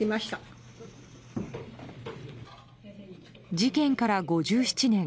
事件から５７年。